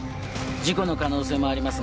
事故の可能性もありますが。